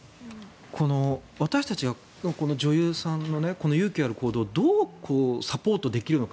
私たちがこの女優さんの勇気ある行動をどうサポートできるのか。